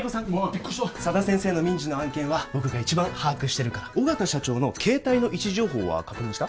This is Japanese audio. ビックリした佐田先生の民事の案件は僕が一番把握してるから緒方社長の携帯の位置情報は確認した？